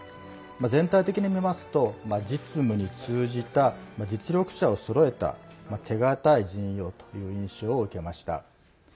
全体的に見ますと実務に通じた実力者をそろえた手堅い陣容という印象を受けました。